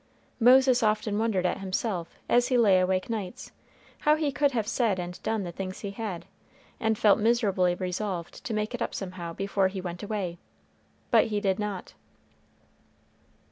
Moses often wondered at himself, as he lay awake nights, how he could have said and done the things he had, and felt miserably resolved to make it up somehow before he went away; but he did not.